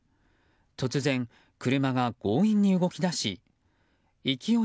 突然、車が強引に動き出し勢い